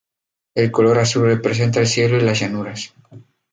El color azul representa el cielo y las llanuras.